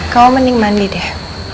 kamu mending mandi deh